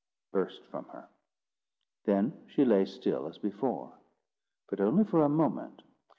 _" burst from her. Then she lay still as before; but only for a moment.